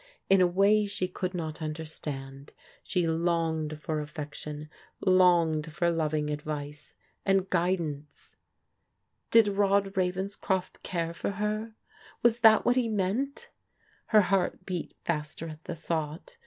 In a way she could not understand, she longed for affection, longed for loving advice, and guidance. Did Rod Ravenscroft care for her? Was that what he meant ? Her heart beat faster at the thought.